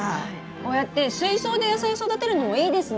こうやって水槽で野菜育てるのもいいですね！